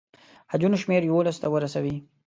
حجونو شمېر یوولسو ته ورسوي.